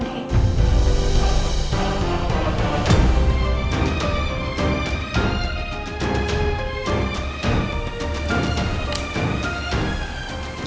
kamu tenang dulu ya